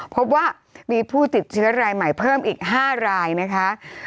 พบว่ามีผู้ติดเชื้อรายใหม่เพิ่มอีก๕รายนะคะ